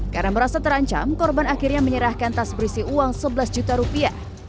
karena merasa terancam korban akhirnya menyerahkan tas berisi uang rp sebelas juta